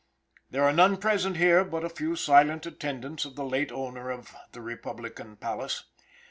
There are none present here but a few silent attendants of the late owner of the republican palace.